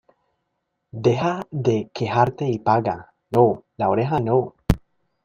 Deja de quejarte y paga. No, la oreja no .